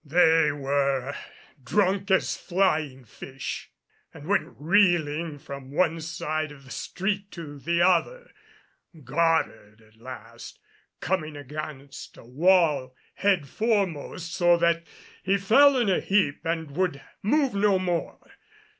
They were drunk as flying fish and went reeling from one side of the street to the other, Goddard at last coming against a wall headforemost, so that he fell in a heap and would move no more.